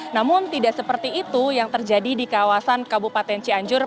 namun tidak seperti itu yang terjadi di kawasan kabupaten cianjur